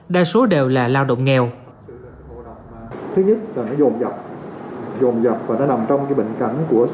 đa số đều là lao động nghèo thứ nhất là nó dồn dập dồn dập và nó nằm trong cái bệnh cảnh của